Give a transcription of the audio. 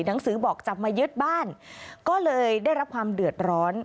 หนังสือบอกจะมายึดบ้านก็เลยได้รับความเดือดร้อน